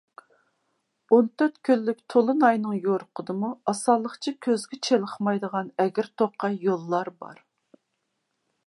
ئون تۆت كۈنلۈك تولۇن ئاينىڭ يورۇقىدىمۇ ئاسانلىقچە كۆزگە چېلىقمايدىغان ئەگىر توقاي يوللار بار.